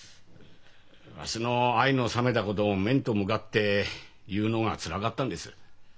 わしの愛の冷めたことを面と向かって言うのがつらかったんです。